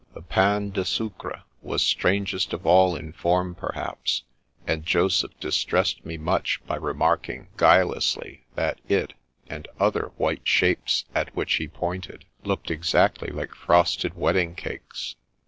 The " Pain de Sucre " was strangest of all in form, per haps, and Joseph distressed me much by remarking guilelessly that it, and other white shapes at which he pointed, looked exactly like frosted wedding cakes.